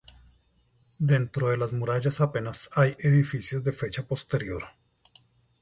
Dentro de las murallas apenas hay edificios de fecha posterior.